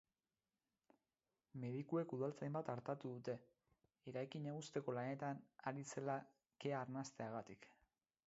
Medikuek udaltzain bat artatu dute, eraikina husteko lanetan ari zela kea arnasteagatik.